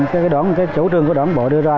cái chủ trương của đổng bộ đưa ra